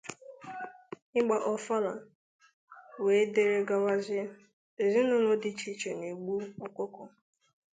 ịgba ofala w.d.g ezinaụlọ dị iche iche na-egbu ọkụkọ